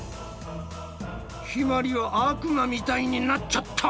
ひまりは悪魔みたいになっちゃった！